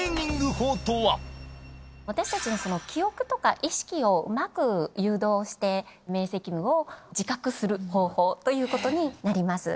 私たちが記憶とか意識をうまく誘導して明晰夢を自覚する方法ということになります。